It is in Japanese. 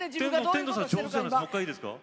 天童さん上手じゃないですか。